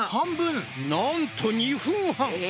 なんと２分半！